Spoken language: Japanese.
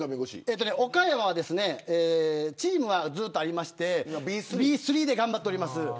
岡山はチームはずっとありましてＢ３で頑張ってます。